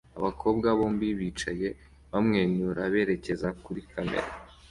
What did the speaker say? Abakobwa bombi bicaye bamwenyura berekeza kuri kamera